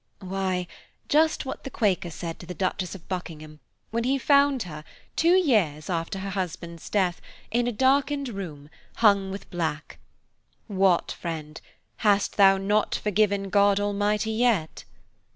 "Why, just what the Quaker said to the Duchess of Buckingham, when he found her, two years after her husband's death, in a darkened room, hung with black, 'What, friend, hast thou not forgiven God Almighty yet?'